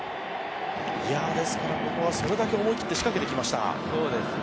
ですからここはそれだけ思い切って仕掛けてきました。